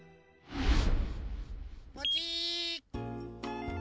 ポチッ。